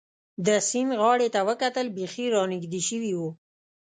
د سیند غاړې ته وکتل، بېخي را نږدې شوي و.